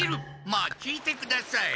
まあ聞いてください。